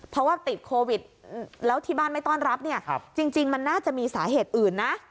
เพราะว่าติดโควิดแล้วที่บ้านไม่ต้อนรับเนี่ยจริงมันน่าจะมีสาเหตุอื่นนะ